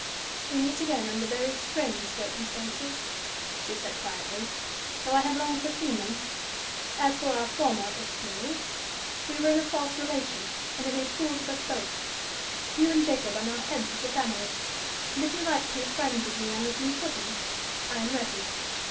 "We meet again under very strange circumstances," she said, quietly; "though I have long foreseen them. As for our former experience, we were in a false relation, and it made fools of us both. You and Jacob are now the heads of the family. And if you like to make friends with me on this new footing, I am ready.